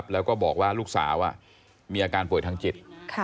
แล้วก็บอกว่าลูกสาวมีอาการป่วยทางจิต